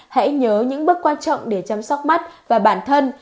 hãy nhớ những bước quan trọng để chăm sóc mắt và bản thân